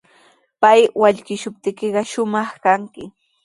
Pay wallkishuptiykiqa shumaq tranki.